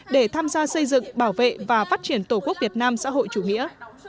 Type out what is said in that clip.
để tham gia xây dựng bảo vệ và phát triển tổ quốc việt nam xã hội chủ nghĩa